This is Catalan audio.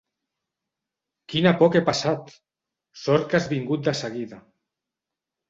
Quina por que he passat!: sort que has vingut de seguida.